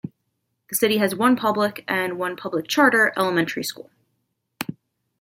The city has one public, and one public charter, elementary school.